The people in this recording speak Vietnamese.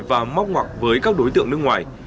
và móc ngoặc với các đối tượng nước ngoài